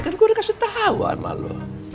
kan gue udah kasih tau sama lo